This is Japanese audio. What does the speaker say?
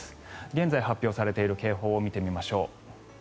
現在発表されている警報を見てみましょう。